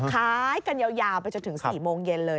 ขายกันยาวไปจนถึง๔โมงเย็นเลย